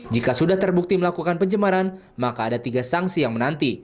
jika sudah terbukti melakukan pencemaran maka ada tiga sanksi yang menanti